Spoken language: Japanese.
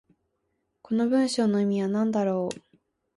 この文章の意味は何だろう。